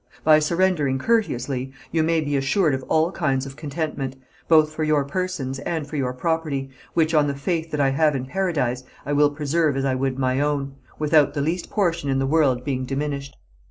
By surrendering courteously, you may be assured of all kinds of contentment, both for your persons and for your property, which on the faith that I have in Paradise, I will preserve as I would my own, without the least portion in the world being diminished.